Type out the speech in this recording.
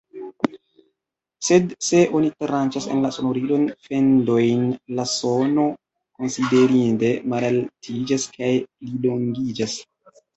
Sed se oni tranĉas en la sonorilon fendojn, la sono konsiderinde malaltiĝas kaj plilongiĝas.